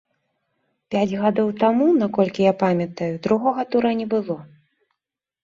Пяць гадоў таму, наколькі я памятаю, другога тура не было.